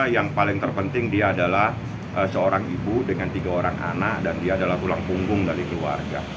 yang paling terpenting dia adalah seorang ibu dengan tiga orang anak dan dia adalah tulang punggung dari keluarga